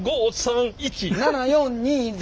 ７４２０！